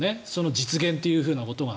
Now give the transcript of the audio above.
実現というふうなことが。